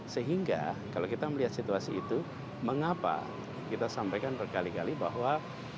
sehingga kalau kita melihat situasi itu mengapa kita sampaikan berkali kali bahwa